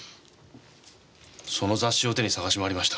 その雑誌を手に捜し回りました。